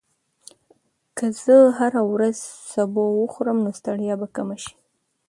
که زه هره ورځ سبو وخورم، نو ستړیا به کمه شي.